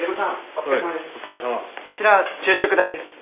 こちら昼食代です。